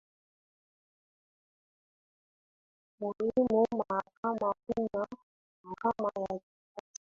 muhimu Mahakama Kuna Mahakama ya kikatiba Mahakama